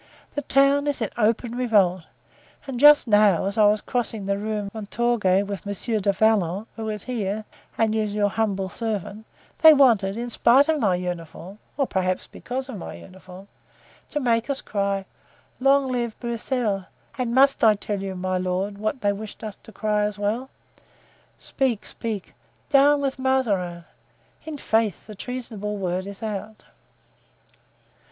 "The town is in open revolt, and just now, as I was crossing the Rue Montorgueil with Monsieur du Vallon, who is here, and is your humble servant, they wanted in spite of my uniform, or perhaps because of my uniform, to make us cry 'Long live Broussel!' and must I tell you, my lord what they wished us to cry as well?" "Speak, speak." "'Down with Mazarin!' I'faith, the treasonable word is out."